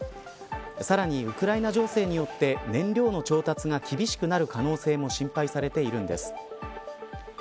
さらにウクライナ情勢によって燃料の調達が厳しくなる可能性も心配されているんです。